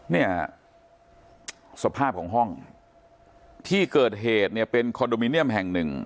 เนี่ยสภาพของห้องที่เกิดเหตุเนี่ยเป็นคอนโดมิเนียมแห่งหนึ่ง